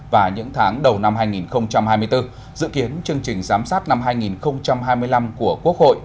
và những tháng đầu năm hai nghìn hai mươi bốn dự kiến chương trình giám sát năm hai nghìn hai mươi năm của quốc hội